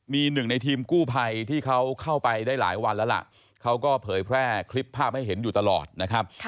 มีหนึ่งในทีมกู้ภัยที่เขาเข้าไปได้หลายวันแล้วล่ะเขาก็เผยแพร่คลิปภาพให้เห็นอยู่ตลอดนะครับ